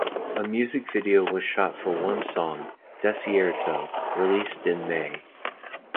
A music video was shot for one song, "Desierto", released in May.